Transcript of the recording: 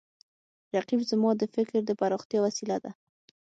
رقیب زما د فکر د پراختیا وسیله ده